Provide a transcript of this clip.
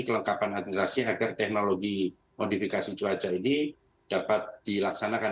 kelengkapan administrasi agar teknologi modifikasi cuaca ini dapat dilaksanakan